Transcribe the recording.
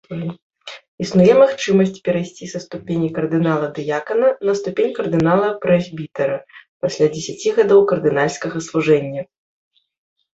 Існуе магчымасць перайсці са ступені кардынала-дыякана на ступень кардынала-прэзбітэра пасля дзесяці гадоў кардынальскага служэння.